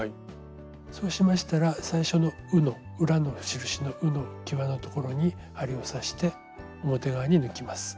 そうしましたら最初の「う」の裏の印のうのきわのところに針を刺して表側に抜きます。